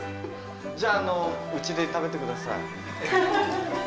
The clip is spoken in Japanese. じゃあうちで食べてください。